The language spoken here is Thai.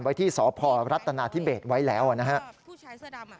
ไว้ที่สพรัฐนาทิเบศไว้แล้วนะครับ